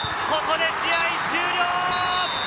ここで試合終了！